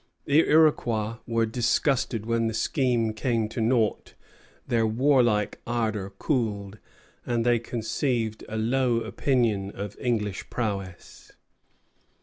The Iroquois were disgusted when the scheme came to nought, their warlike ardor cooled, and they conceived a low opinion of English prowess.